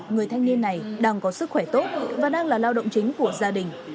người thanh niên này đang có sức khỏe tốt và đang là lao động chính của gia đình